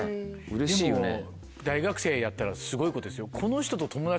でも大学生やったらすごいことですよ。